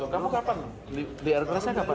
kamu kapan di air kerasnya kapan